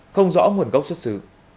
không rõ nguồn gốc xuất xứ